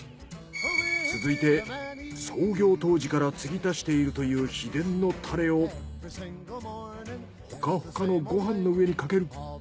続いて創業当時から注ぎ足しているという秘伝のタレをほかほかのご飯の上にかける。